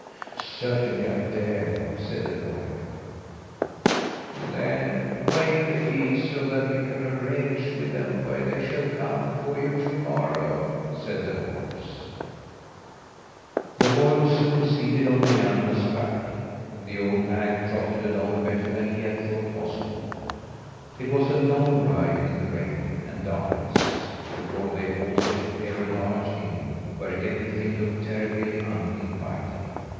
"Certainly I dare!" said the boy. "Then wake the geese, so that we can arrange with them where they shall come for you to morrow," said the horse. The boy was soon seated on the animal's back. The old nag trotted along better than he had thought possible. It was a long ride in the rain and darkness before they halted near a large inn, where everything looked terribly uninviting!